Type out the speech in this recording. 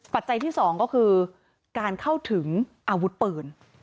ปัจจัยที่๒ก็คือการเข้าถึงอาวุธปืน